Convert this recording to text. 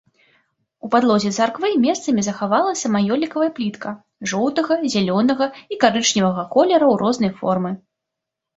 У падлозе царквы месцамі захавалася маёлікавая плітка жоўтага, зялёнага і карычневага колераў рознай формы.